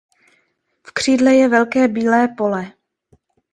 V křídle je velké bílé pole.